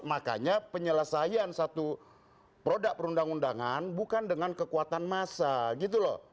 makanya penyelesaian satu produk perundang undangan bukan dengan kekuatan massa gitu loh